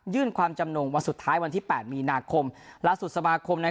ยื่นความจำนงวันสุดท้ายวันที่แปดมีนาคมลักษณ์สุดสมาคมนะครับ